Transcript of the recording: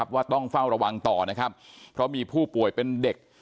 ว่าต้องเฝ้าระวังต่อนะครับเพราะมีผู้ป่วยเป็นเด็ก